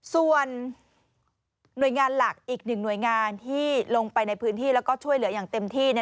ส่วนหน่วยงานหลักอีกหนึ่งหน่วยงานที่ลงไปในพื้นที่แล้วก็ช่วยเหลืออย่างเต็มที่